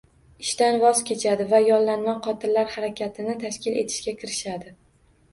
Ishdan voz kechadi va yollanma qotillar harakatini tashkil etishga kirishadi.